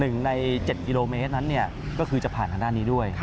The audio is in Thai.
หนึ่งใน๗กิโลเมตรนั้นก็คือจะผ่านทางด้านนี้ด้วย